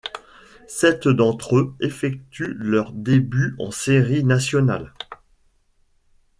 Sept d'entre eux effectuent leurs débuts en séries nationales.